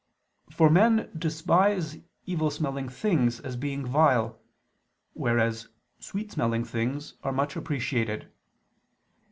For men despise evil smelling things as being vile, whereas sweet smelling things are much appreciated.